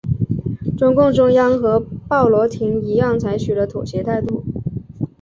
中共中央和鲍罗廷一样采取了妥协态度。